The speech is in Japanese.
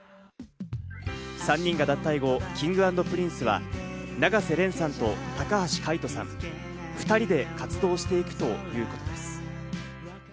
３人が脱退後、Ｋｉｎｇ＆Ｐｒｉｎｃｅは永瀬廉さんと高橋海人さん２人で活動していくということです。